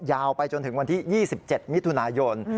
ยาวไปจนถึงวันที่๒๗มิถุนายน